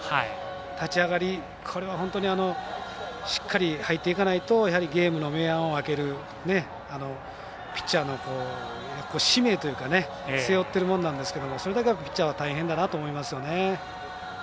立ち上がりこれは本当にしっかり入っていかないとゲームの明暗を分けるピッチャーの使命というか背負ってるものなんですけどそれだけ、ピッチャーは大変だなと思いますよね。